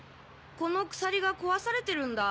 この鎖が壊されてるんだ。